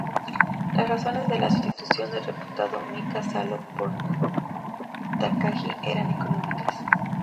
Las razones de la sustitución del reputado Mika Salo por Takagi eran económicas.